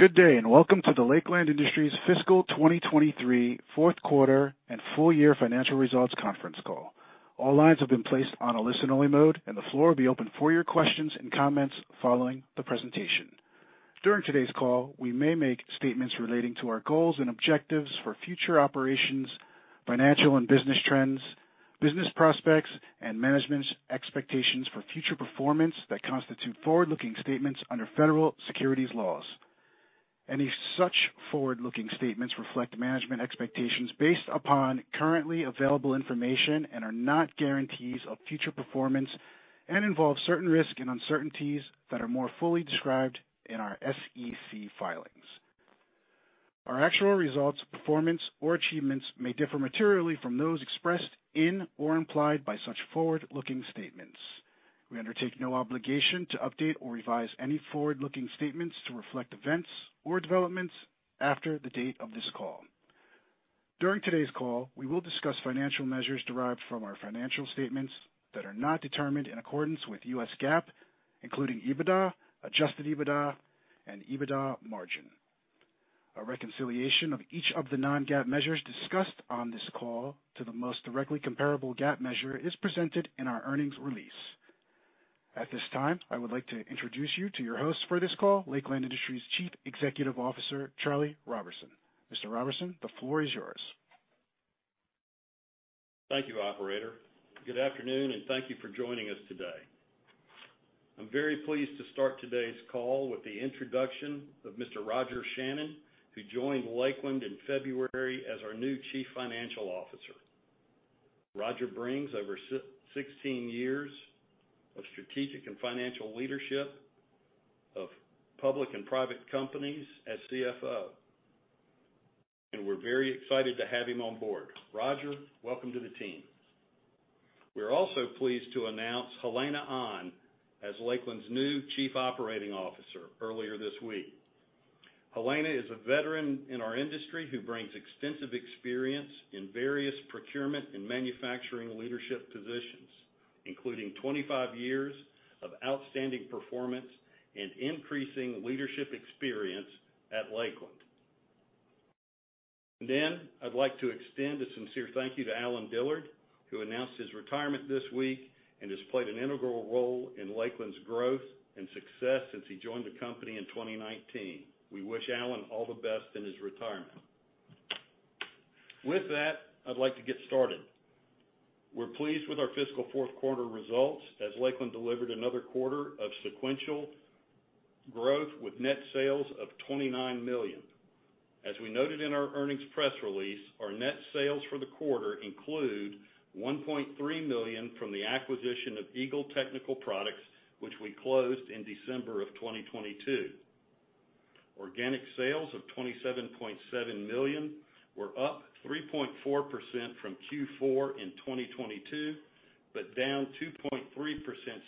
Good day, and welcome to the Lakeland Industries Fiscal 2023 Q4 and full year financial results conference call. All lines have been placed on a listen-only mode, and the floor will be open for your questions and comments following the presentation. During today's call, we may make statements relating to our goals and objectives for future operations, financial and business trends, business prospects, and management's expectations for future performance that constitute forward-looking statements under federal securities laws. Any such forward-looking statements reflect management expectations based upon currently available information and are not guarantees of future performance and involve certain risks and uncertainties that are more fully described in our SEC filings. Our actual results, performance, or achievements may differ materially from those expressed in or implied by such forward-looking statements. We undertake no obligation to update or revise any forward-looking statements to reflect events or developments after the date of this call. During today's call, we will discuss financial measures derived from our financial statements that are not determined in accordance with U.S. GAAP, including EBITDA, adjusted EBITDA, and EBITDA margin. A reconciliation of each of the non-GAAP measures discussed on this call to the most directly comparable GAAP measure is presented in our earnings release. At this time, I would like to introduce you to your host for this call, Lakeland Industries Chief Executive Officer, Charlie Roberson. Mr. Roberson, the floor is yours. Thank you, operator. Good afternoon. Thank you for joining us today. I'm very pleased to start today's call with the introduction of Mr. Roger Shannon, who joined Lakeland in February as our new Chief Financial Officer. Roger brings over 16 years of strategic and financial leadership of public and private companies as CFO. We're very excited to have him on board. Roger, welcome to the team. We are also pleased to announce Helena Ahn as Lakeland's new Chief Operating Officer earlier this week. Helena is a veteran in our industry who brings extensive experience in various procurement and manufacturing leadership positions, including 25 years of outstanding performance and increasing leadership experience at Lakeland. I'd like to extend a sincere thank you to Allen Dillard, who announced his retirement this week and has played an integral role in Lakeland's growth and success since he joined the company in 2019. We wish Allen all the best in his retirement. With that, I'd like to get started. We're pleased with our fiscal Q4 results as Lakeland delivered another quarter of sequential growth with net sales of $29 million. As we noted in our earnings press release, our net sales for the quarter include $1.3 million from the acquisition of Eagle Technical Products, which we closed in December 2022. Organic sales of $27.7 million were up 3.4% from Q4 in 2022, but down 2.3%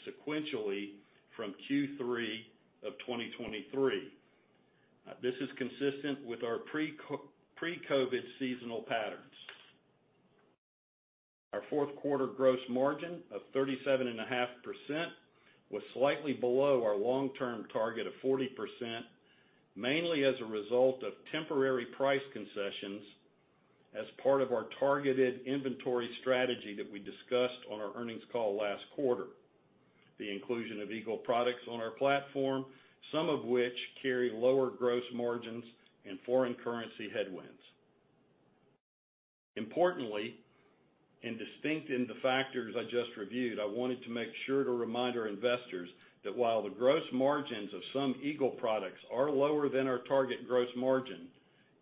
sequentially from Q3 of 2023. This is consistent with our pre-COVID seasonal patterns. Our Q4 gross margin of 37.5% was slightly below our long-term target of 40%, mainly as a result of temporary price concessions as part of our targeted inventory strategy that we discussed on our earnings call last quarter. The inclusion of Eagle products on our platform, some of which carry lower gross margins and foreign currency headwinds. Importantly, distinct in the factors I just reviewed, I wanted to make sure to remind our investors that while the gross margins of some Eagle products are lower than our target gross margin,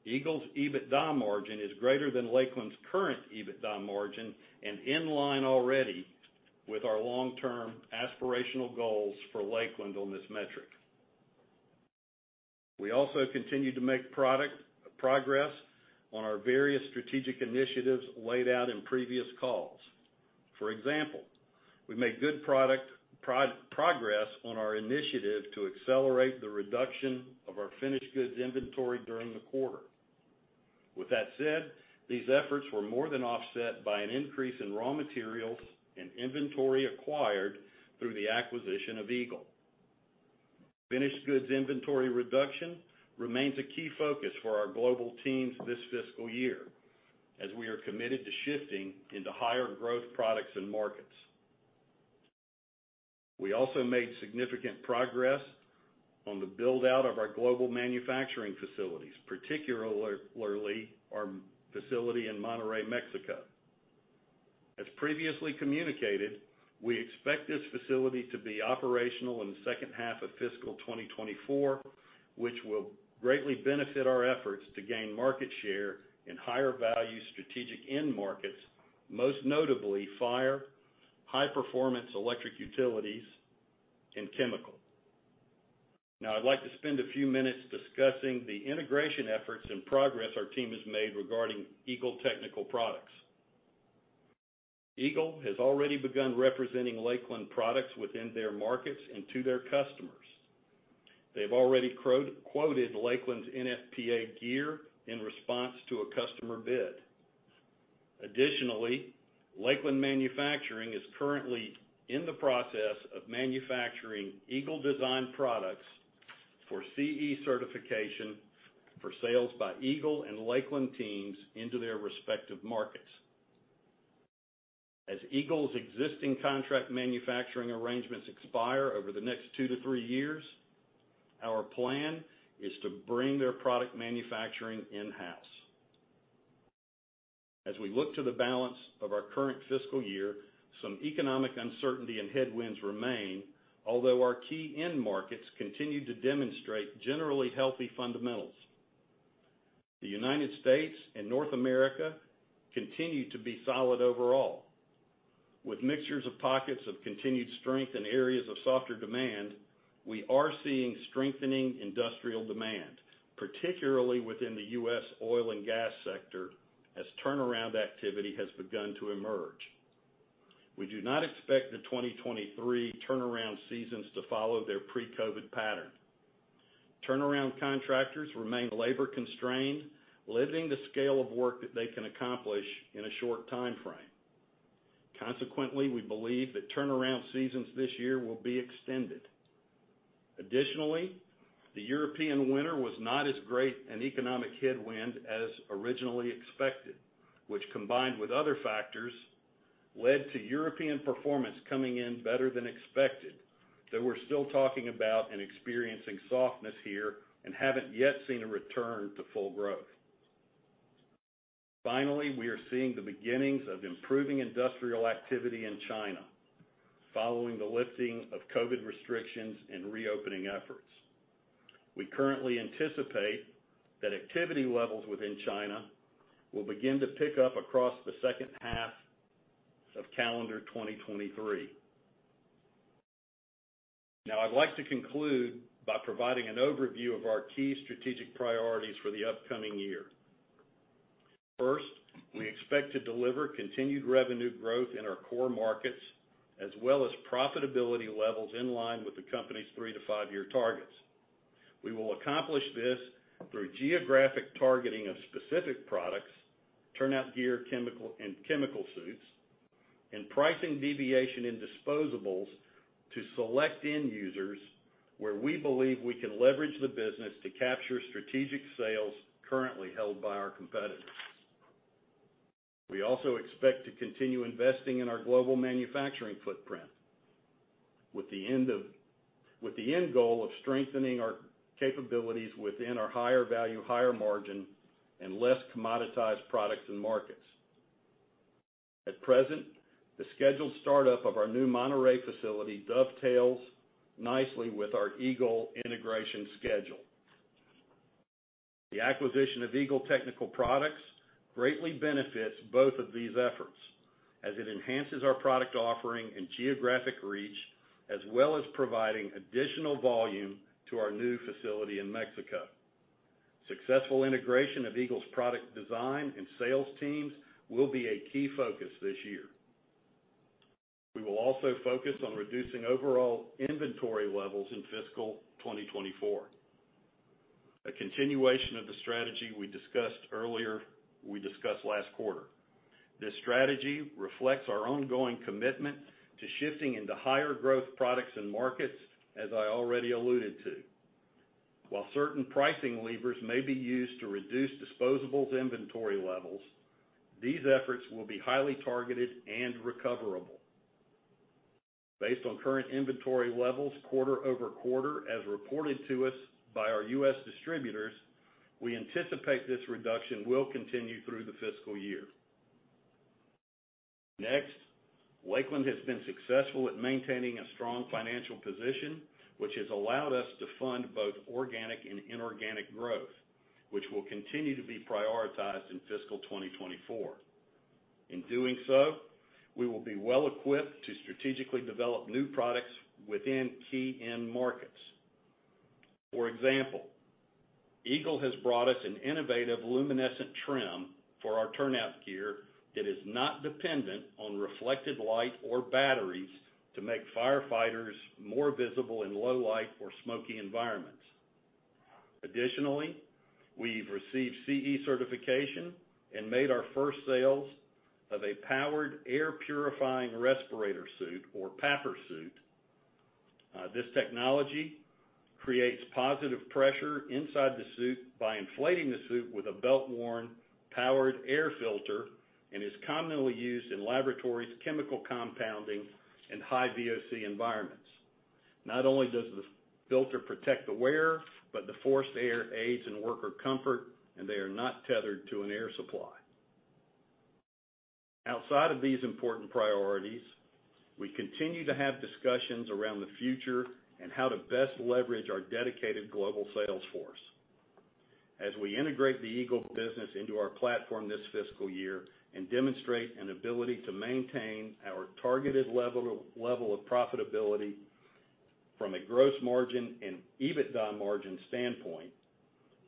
Eagle's EBITDA margin is greater than Lakeland's current EBITDA margin and in line already with our long-term aspirational goals for Lakeland on this metric. We also continue to make progress on our various strategic initiatives laid out in previous calls. For example, we made good progress on our initiative to accelerate the reduction of our finished goods inventory during the quarter. With that said, these efforts were more than offset by an increase in raw materials and inventory acquired through the acquisition of Eagle. Finished goods inventory reduction remains a key focus for our global teams this fiscal year, as we are committed to shifting into higher growth products and markets. We also made significant progress on the build-out of our global manufacturing facilities, particularly our facility in Monterrey, Mexico. As previously communicated, we expect this facility to be operational in the second half of fiscal 2024, which will greatly benefit our efforts to gain market share in higher value strategic end markets, most notably fire, high performance electric utilities, and chemical. Now I'd like to spend a few minutes discussing the integration efforts and progress our team has made regarding Eagle Technical Products. Eagle has already begun representing Lakeland products within their markets and to their customers. They've already quoted Lakeland's NFPA gear in response to a customer bid. Additionally, Lakeland Manufacturing is currently in the process of manufacturing Eagle design products for CE certification for sales by Eagle and Lakeland teams into their respective markets. As Eagle's existing contract manufacturing arrangements expire over the next two to three years, our plan is to bring their product manufacturing in-house. As we look to the balance of our current fiscal year, some economic uncertainty and headwinds remain, although our key end markets continue to demonstrate generally healthy fundamentals. The United States and North America continue to be solid overall. With mixtures of pockets of continued strength in areas of softer demand, we are seeing strengthening industrial demand, particularly within the U.S. oil and gas sector, as turnaround activity has begun to emerge. We do not expect the 2023 turnaround seasons to follow their pre-COVID pattern. Turnaround contractors remain labor-constrained, limiting the scale of work that they can accomplish in a short time frame. Consequently, we believe that turnaround seasons this year will be extended. Additionally, the European winter was not as great an economic headwind as originally expected, which combined with other factors, led to European performance coming in better than expected, though we're still talking about and experiencing softness here and haven't yet seen a return to full growth. Finally, we are seeing the beginnings of improving industrial activity in China following the lifting of COVID restrictions and reopening efforts. We currently anticipate that activity levels within China will begin to pick up across the second half of calendar 2023. Now I'd like to conclude by providing an overview of our key strategic priorities for the upcoming year. First, we expect to deliver continued revenue growth in our core markets, as well as profitability levels in line with the company's three to five-year targets. We will accomplish this through geographic targeting of specific products, turnout gear, chemical and chemical suits, and pricing deviation in disposables to select end users where we believe we can leverage the business to capture strategic sales currently held by our competitors. We also expect to continue investing in our global manufacturing footprint with the end goal of strengthening our capabilities within our higher value, higher margin, and less commoditized products and markets. At present, the scheduled startup of our new Monterrey facility dovetails nicely with our Eagle integration schedule. The acquisition of Eagle Technical Products greatly benefits both of these efforts as it enhances our product offering and geographic reach, as well as providing additional volume to our new facility in Mexico. Successful integration of Eagle's product design and sales teams will be a key focus this year. We will also focus on reducing overall inventory levels in fiscal 2024, a continuation of the strategy we discussed last quarter. This strategy reflects our ongoing commitment to shifting into higher growth products and markets, as I already alluded to. While certain pricing levers may be used to reduce disposables inventory levels, these efforts will be highly targeted and recoverable. Based on current inventory levels quarter-over-quarter as reported to us by our U.S. distributors, we anticipate this reduction will continue through the fiscal year. Lakeland has been successful at maintaining a strong financial position, which has allowed us to fund both organic and inorganic growth, which will continue to be prioritized in fiscal 2024. In doing so, we will be well-equipped to strategically develop new products within key end markets. For example, Eagle has brought us an innovative luminescent trim for our turnout gear that is not dependent on reflected light or batteries to make firefighters more visible in low light or smoky environments. We've received CE certification and made our first sales of a powered air purifying respirator suit or PAPR suit. This technology creates positive pressure inside the suit by inflating the suit with a belt-worn powered air filter and is commonly used in laboratories, chemical compounding, and high VOC environments. Not only does the filter protect the wearer, but the forced air aids in worker comfort, and they are not tethered to an air supply. Outside of these important priorities, we continue to have discussions around the future and how to best leverage our dedicated global sales force. As we integrate the Eagle business into our platform this fiscal year and demonstrate an ability to maintain our targeted level of profitability from a gross margin and EBITDA margin standpoint,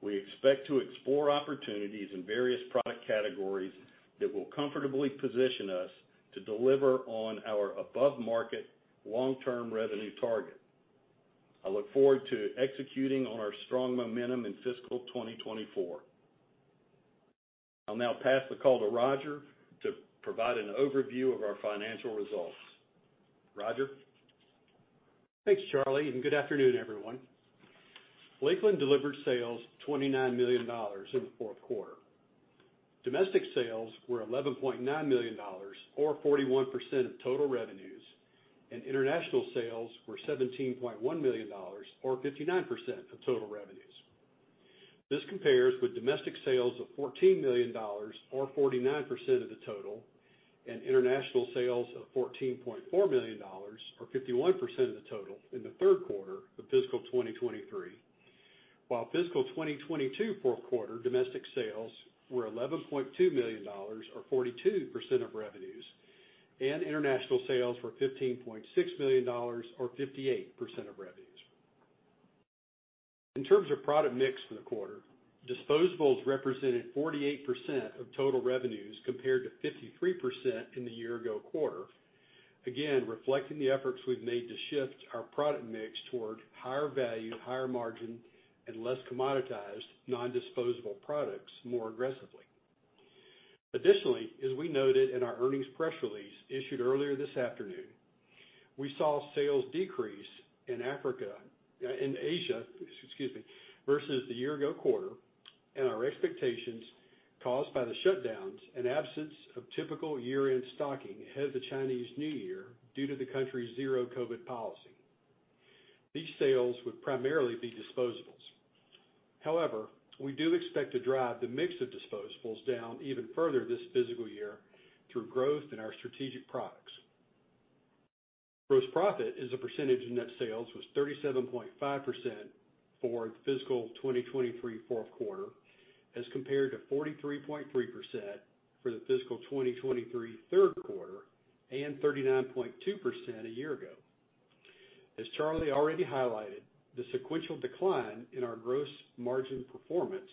we expect to explore opportunities in various product categories that will comfortably position us to deliver on our above-market long-term revenue target. I look forward to executing on our strong momentum in fiscal 2024. I'll now pass the call to Roger to provide an overview of our financial results. Roger? Thanks, Charlie, and good afternoon, everyone. Lakeland delivered sales $29 million in the Q4. Domestic sales were $11.9 million or 41% of total revenues, and international sales were $17.1 million or 59% of total revenues. This compares with domestic sales of $14 million or 49% of the total, and international sales of $14.4 million or 51% of the total in the Q3 of fiscal 2023. While fiscal 2022 q4 domestic sales were $11.2 million or 42% of revenues, and international sales were $15.6 million or 58% of revenues. In terms of product mix for the quarter, disposables represented 48% of total revenues, compared to 53% in the year ago quarter. Reflecting the efforts we've made to shift our product mix toward higher value, higher margin, and less commoditized non-disposable products more aggressively. As we noted in our earnings press release issued earlier this afternoon, we saw sales decrease in Asia, excuse me, versus the year ago quarter, and our expectations caused by the shutdowns and absence of typical year-end stocking ahead of the Chinese New Year due to the country's zero COVID policy. These sales would primarily be disposables. We do expect to drive the mix of disposables down even further this physical year through growth in our strategic products. Gross profit as a percentage of net sales was 37.5% for the fiscal 2023 Q4, as compared to 43.3% for the fiscal 2023 Q3 and 39.2% a year ago. As Charlie already highlighted, the sequential decline in our gross margin performance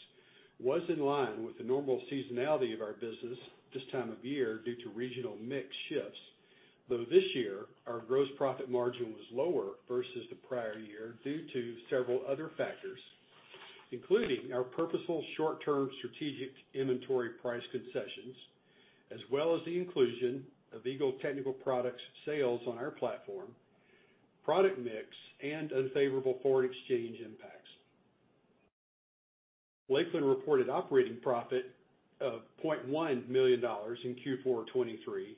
was in line with the normal seasonality of our business this time of year due to regional mix shifts, though this year, our gross profit margin was lower versus the prior year due to several other factors, including our purposeful short-term strategic inventory price concessions, as well as the inclusion of Eagle Technical Products sales on our platform, product mix, and unfavorable foreign exchange impacts. Lakeland reported operating profit of $0.1 million in Q4 2023,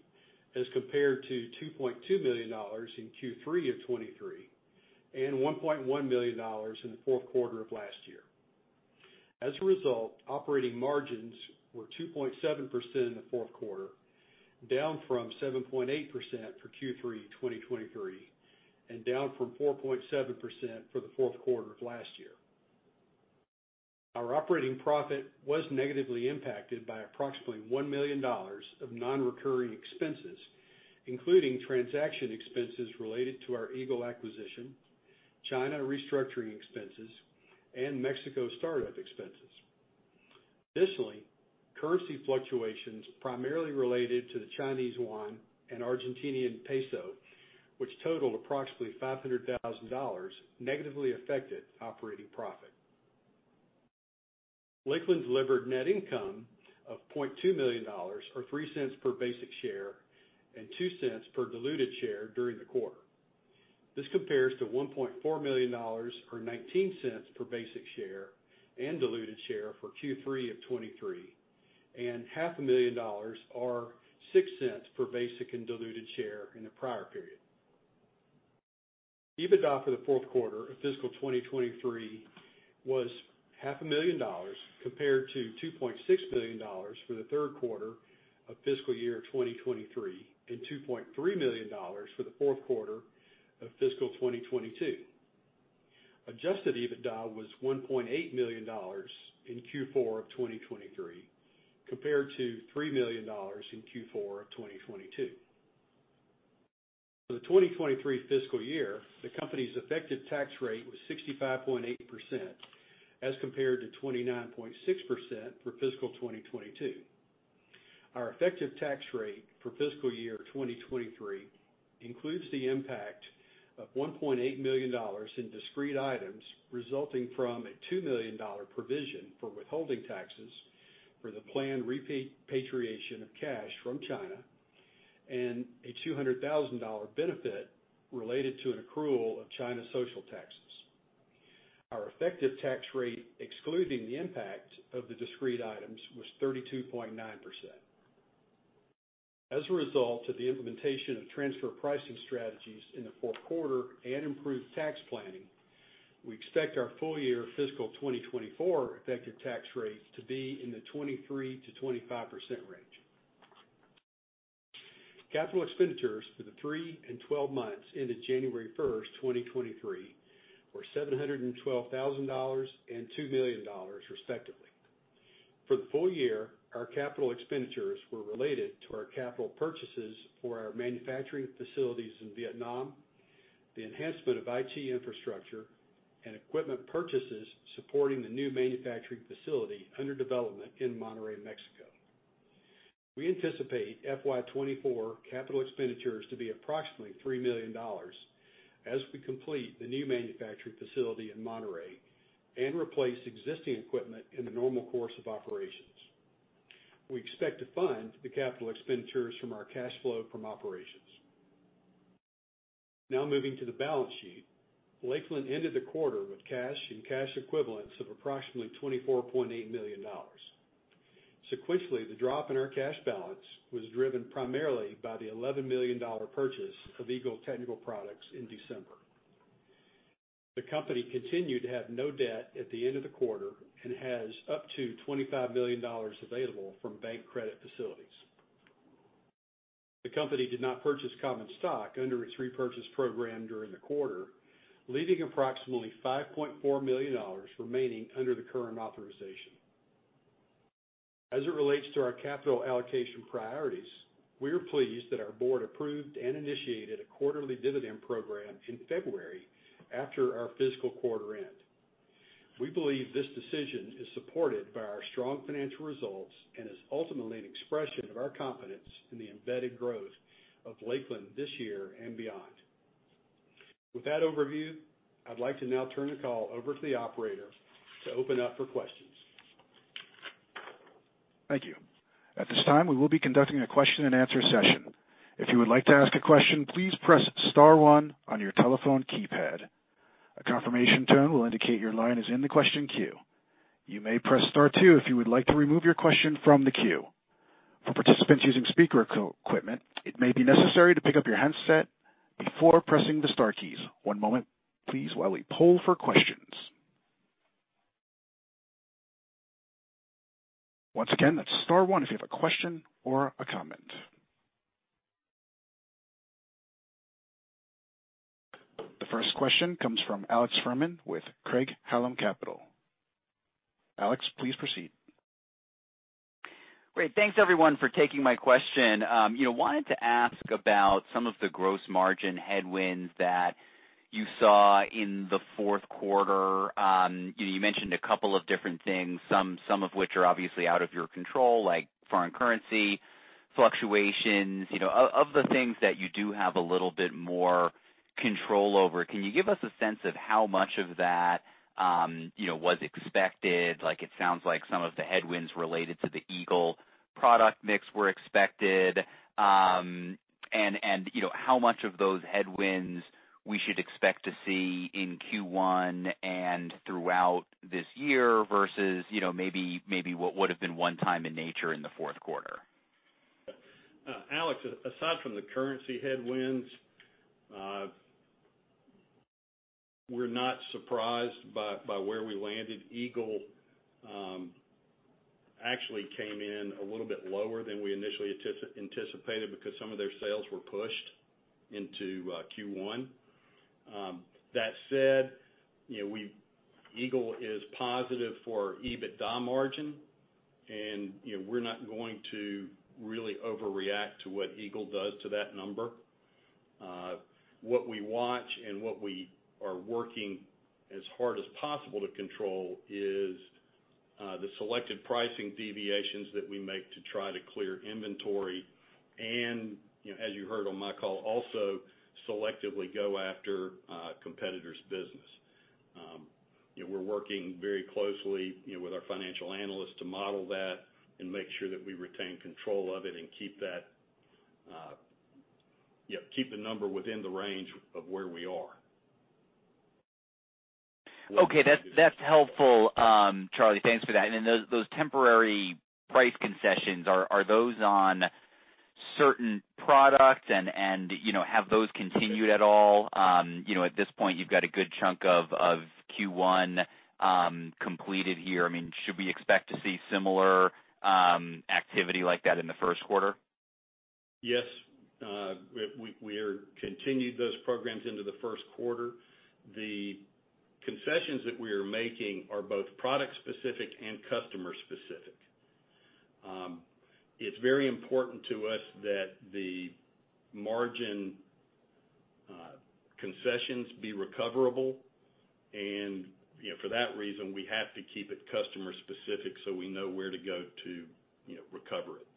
as compared to $2.2 million in Q3 2023, and $1.1 million in the Q4 of last year. As a result, operating margins were 2.7% in the Q4, down from 7.8% for Q3 2023, and down from 4.7% for the Q4 of last year. Our operating profit was negatively impacted by approximately $1 million of non-recurring expenses, including transaction expenses related to our Eagle acquisition, China restructuring expenses, and Mexico startup expenses. Currency fluctuations primarily related to the Chinese yuan and Argentinian peso, which totaled approximately $500,000, negatively affected operating profit. Lakeland delivered net income of $0.2 million or $0.03 per basic share and $0.02 per diluted share during the quarter. This compares to $1.4 million, or $0.19 per basic share and diluted share for Q3 of 2023, and half a million dollars or $0.06 per basic and diluted share in the prior period. EBITDA for the Q4 of fiscal 2023 was half a million dollars, compared to $2.6 million for the Q3 of fiscal year 2023, and $2.3 million for the Q4 of fiscal 2022. Adjusted EBITDA was $1.8 million in Q4 of 2023, compared to $3 million in Q4 of 2022. For the 2023 fiscal year, the company's effective tax rate was 65.8%, as compared to 29.6% for fiscal 2022. Our effective tax rate for fiscal year 2023 includes the impact of $1.8 million in discrete items, resulting from a $2 million provision for withholding taxes for the planned repatriation of cash from China and a $200,000 benefit related to an accrual of China's social taxes. Our effective tax rate, excluding the impact of the discrete items, was 32.9%. As a result of the implementation of transfer pricing strategies in the Q4 and improved tax planning, we expect our full year fiscal 2024 effective tax rates to be in the 23%-25% range. Capital expenditures for the three and 12 months ended January 1, 2023, were $712,000 and $2 million, respectively. For the full year, our capital expenditures were related to our capital purchases for our manufacturing facilities in Vietnam, the enhancement of IT infrastructure, and equipment purchases supporting the new manufacturing facility under development in Monterrey, Mexico. We anticipate FY 2024 capital expenditures to be approximately $3 million as we complete the new manufacturing facility in Monterrey and replace existing equipment in the normal course of operations. We expect to fund the capital expenditures from our cash flow from operations. Moving to the balance sheet. Lakeland ended the quarter with cash and cash equivalents of approximately $24.8 million. Sequentially, the drop in our cash balance was driven primarily by the $11 million purchase of Eagle Technical Products in December. The company continued to have no debt at the end of the quarter and has up to $25 million available from bank credit facilities. The company did not purchase common stock under its repurchase program during the quarter, leaving approximately $5.4 million remaining under the current authorization. As it relates to our capital allocation priorities, we are pleased that our board approved and initiated a quarterly dividend program in February after our fiscal quarter end. We believe this decision is supported by our strong financial results and is ultimately an expression of our confidence in the embedded growth of Lakeland this year and beyond. With that overview, I'd like to now turn the call over to the operator to open up for questions. Thank you. At this time, we will be conducting a question-and-answer session. If you would like to ask a question, please press star one on your telephone keypad. A confirmation tone will indicate your line is in the question queue. You may press star two if you would like to remove your question from the queue. For participants using speaker equipment, it may be necessary to pick up your handset before pressing the star keys. One moment please while we poll for questions. Once again, that's star 1 if you have a question or a comment. The first question comes from Alex Fuhrman with Craig-Hallum Capital. Alex, please proceed. Great. Thanks, everyone, for taking my question. You know, wanted to ask about some of the gross margin headwinds that you saw in the Q4. You know, you mentioned a couple of different things, some of which are obviously out of your control, like foreign currency fluctuations. You know, of the things that you do have a little bit more control over, can you give us a sense of how much of that, you know, was expected? Like it sounds like some of the headwinds related to the Eagle product mix were expected. You know, how much of those headwinds we should expect to see in Q1 and throughout this year versus, you know, maybe what would have been one time in nature in the Q4. Alex, aside from the currency headwinds, we're not surprised by where we landed. Eagle, actually came in a little bit lower than we initially anticipated because some of their sales were pushed into Q1. That said, you know, Eagle is positive for EBITDA margin, you know, we're not going to really overreact to what Eagle does to that number. What we watch and what we are working as hard as possible to control is the selected pricing deviations that we make to try to clear inventory and, you know, as you heard on my call, also selectively go after competitors' business. You know, we're working very closely, you know, with our financial analysts to model that and make sure that we retain control of it and keep the number within the range of where we are. Okay. That's helpful, Charlie, thanks for that. Then those temporary price concessions, are those on certain products? You know, have those continued at all? You know, at this point, you've got a good chunk of Q1 completed here. I mean, should we expect to see similar activity like that in the Q1? Yes. We are continued those programs into the Q1. The concessions that we are making are both product specific and customer specific. It's very important to us that the margin, concessions be recoverable. You know, for that reason, we have to keep it customer specific so we know where to go to, you know, recover it.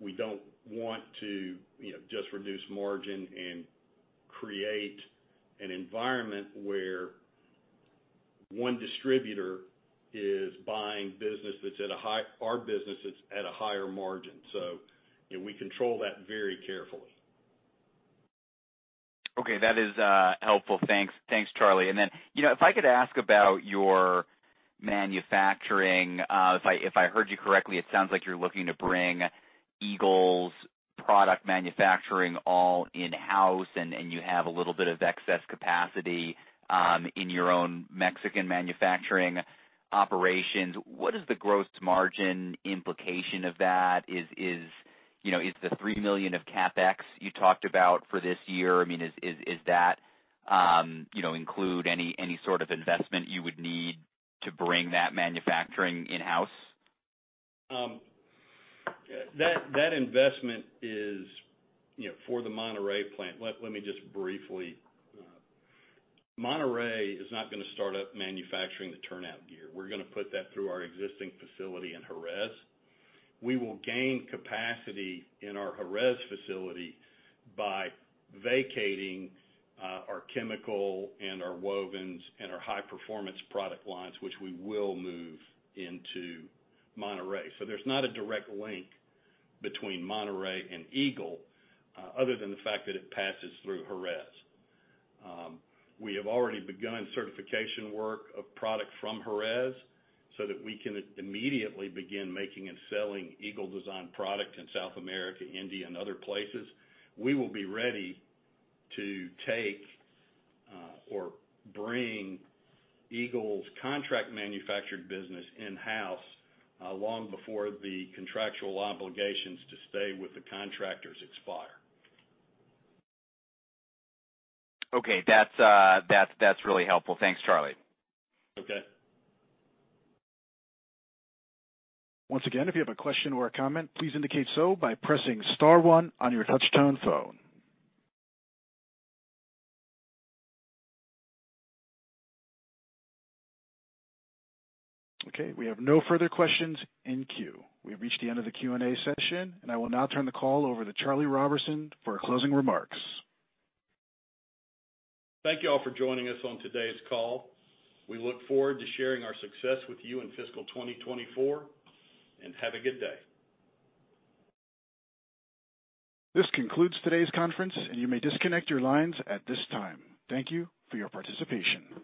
We don't want to, you know, just reduce margin and create an environment where one distributor is buying business that's at a high-- our businesses at a higher margin. You know, we control that very carefully. Okay. That is helpful. Thanks. Thanks, Charlie. You know, if I could ask about your manufacturing. If I heard you correctly, it sounds like you're looking to bring Eagle's product manufacturing all in-house, and you have a little bit of excess capacity in your own Mexican manufacturing operations. What is the gross margin implication of that? You know, is the $3 million of CapEx you talked about for this year, I mean, is that, you know, include any sort of investment you would need to bring that manufacturing in-house? That investment is, you know, for the Monterrey plant. Let me just briefly. Monterrey is not gonna start up manufacturing the turnout gear. We're gonna put that through our existing facility in Jerez. We will gain capacity in our Jerez facility by vacating our chemical and our wovens and our high-performance product lines, which we will move into Monterrey. There's not a direct link between Monterrey and Eagle, other than the fact that it passes through Jerez. We have already begun certification work of product from Jerez so that we can immediately begin making and selling Eagle design product in South America, India, and other places. We will be ready to take or bring Eagle's contract manufactured business in-house long before the contractual obligations to stay with the contractors expire. Okay. That's really helpful. Thanks, Charlie. Okay. Once again, if you have a question or a comment, please indicate so by pressing star one on your touch-tone phone. Okay. We have no further questions in queue. We have reached the end of the Q&A session, and I will now turn the call over to Charlie Roberson for closing remarks. Thank you all for joining us on today's call. We look forward to sharing our success with you in fiscal 2024. Have a good day. This concludes today's conference. You may disconnect your lines at this time. Thank you for your participation.